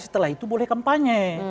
setelah itu boleh kampanye